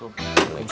semoga dia tegas